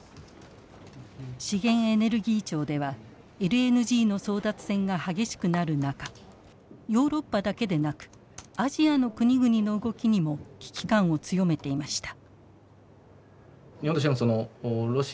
資源エネルギー庁ではＬＮＧの争奪戦が激しくなる中ヨーロッパだけでなくアジアの国々の動きにも危機感を強めていました。